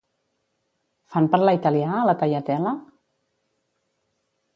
Fan parlar italià a la Tagliatella?